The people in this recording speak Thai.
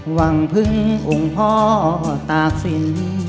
หวังพึ่งองค์พ่อตากศิลป์